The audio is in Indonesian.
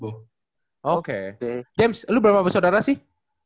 oke james lu berapa bersaudara sih